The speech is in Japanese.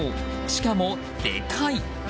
しかもでかい！